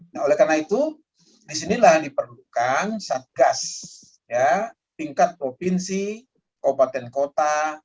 nah oleh karena itu disinilah diperlukan satgas tingkat provinsi kabupaten kota